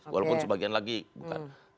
walaupun sebagian lagi bukan